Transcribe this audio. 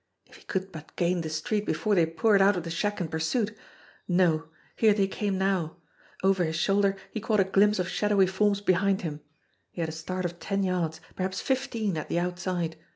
If he could but gain the street before they poured out of the shack in pursuit ! No here they came now ! Over his shoulder he caught a glimpse of shadowy forms behind him. He had a start of ten yards, perhaps fifteen at the outside.